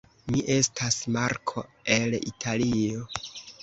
Mi estas Marko el Italio